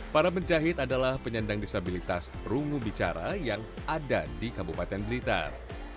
para penjahit adalah penyandang disabilitas rungu bicara yang ada di kabupaten blitar